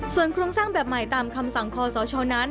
ส่วนโครงสร้างแบบใหม่ตามคำสั่งคอสชนั้น